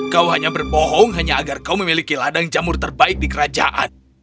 kau hanya berbohong hanya agar kau memiliki ladang jamur terbaik di kerajaan